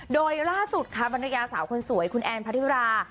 โดยล่าสุดค่ะภรรยาสาวคนสวยคุณแอนพัทธิรา